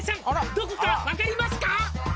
「どこか分かりますか？」